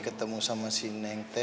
ketemu sama si neng